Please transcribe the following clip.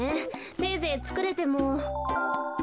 せいぜいつくれても。